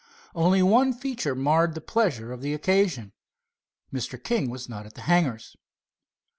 Only one feature marred the pleasure of the occasion. Mr. King was not at the hangars.